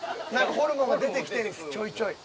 ホルモンが出てきてちょいちょい。